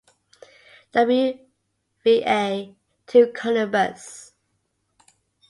W. Va. to Columbus.